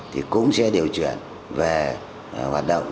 thì cũng sẽ điều chuyển về hoạt động